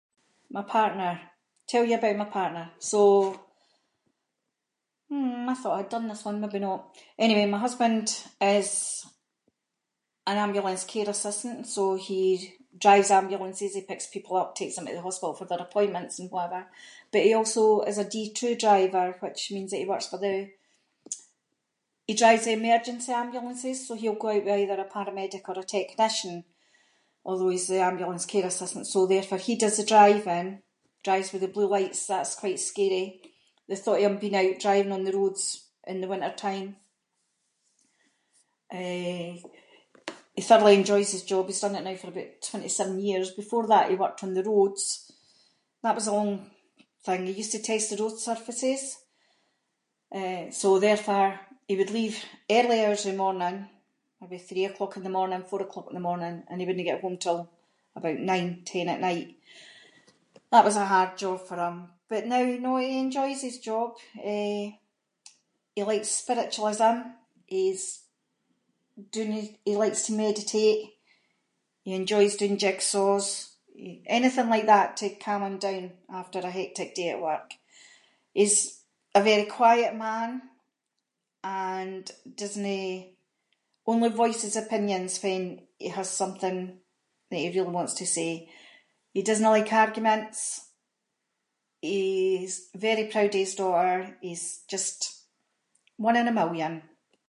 My partner, tell you about my partner, so, hmm, I thought I’d done this one, maybe not. Anyway, my husband is an ambulance care assistant, so he drives ambulances, he picks people up, takes them to the hospital for their appointments and whatever but he also is a D2 driver, which means that he works for the- he drives the emergency ambulances, so he’ll go out with either a paramedic or a technician, although he’s the ambulance care assistant so therefore he does the driving, drives with the blue lights, that’s quite scary, the thought of him being out, driving on the roads in the winter time. Eh he thoroughly enjoys his job, he’s done it now for about twenty-seven years, before that he worked on the roads, that was a long thing, he used to test the road surfaces, eh so therefore, he would leave early hours of the morning, maybe three o’clock in the morning, four o’clock in the morning, and he wouldnae get home until about nine, ten at night, that was a hard job for him. But now, no, he enjoys his job, yeah, he likes spiritualism, he’s doing his- he likes to meditate, he enjoys doing jigsaws, anything like that to calm him down after a hectic day at work. He’s a very quiet man, and doesnae- only voice his opinions when he has something that he really wants to say. He doesnae like arguments, he’s very proud of his daughter, he’s just one in a million.